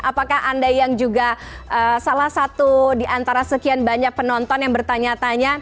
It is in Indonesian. apakah anda yang juga salah satu di antara sekian banyak penonton yang bertanya tanya